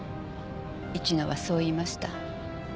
市野はそう言いました。